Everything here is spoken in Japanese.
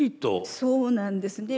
そうなんですね。